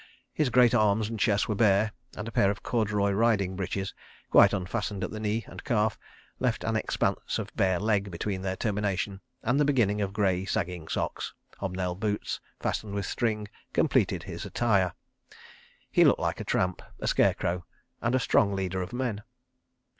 His great arms and chest were bare, and a pair of corduroy riding breeches, quite unfastened at the knee and calf, left an expanse of bare leg between their termination and the beginning of grey, sagging socks. Hob nailed boots, fastened with string, completed his attire. He looked like a tramp, a scarecrow, and a strong leader of men.